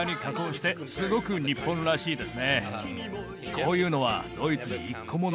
こういうのは。